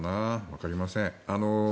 わかりません。